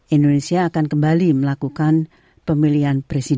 indonesia akan kembali melakukan pemilihan presiden